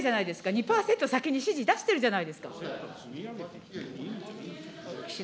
２％、先に指示出してるんじゃないですか。